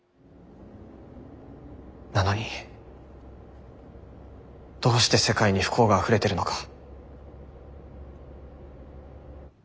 なのにどうして世界に不幸があふれてるのか。